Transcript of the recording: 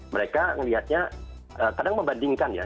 mereka melihatnya kadang membandingkan ya